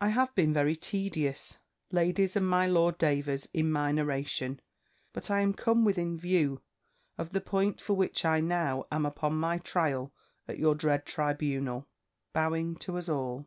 "I have been very tedious, ladies and my Lord Davers, in my narration: but I am come within view of the point for which I now am upon my trial at your dread tribunal (bowing to us all).